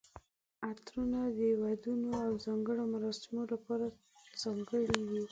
عطرونه د ودونو او ځانګړو مراسمو لپاره ځانګړي وي.